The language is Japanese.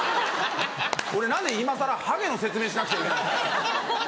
俺何で今さらハゲの説明しなくちゃいけないんですか？